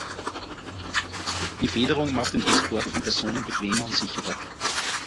Die Federung macht den Transport von Personen bequemer und sicherer.